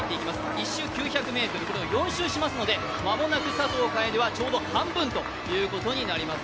１周９００ｍ、これを４周しますので、間もなく佐藤楓はちょうど半分ということになります。